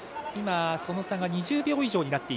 その差が２０秒以上。